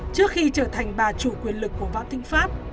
trước khi trở thành bà chủ quyền lực của vã tĩnh pháp